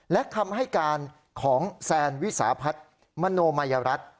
และคำให้การของแซนวิสาพัฒน์มโนมายรัฐ